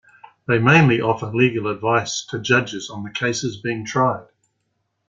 They mainly offer legal advice to judges on the cases being tried.